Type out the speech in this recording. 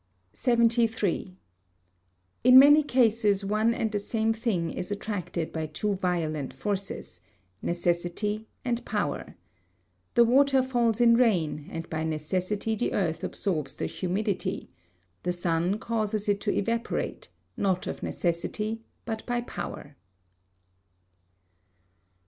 73. In many cases one and the same thing is attracted by two violent forces, necessity and power. The water falls in rain and by necessity the earth absorbs the humidity; the sun causes it to evaporate, not of necessity, but by power.